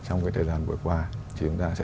trong cái thời gian vừa qua chúng ta sẽ